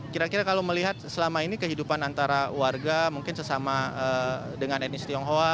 kira kira kalau melihat selama ini kehidupan antara warga mungkin sesama dengan etnis tionghoa